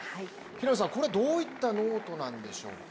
平野さん、これはどういったノートなんでしょうか。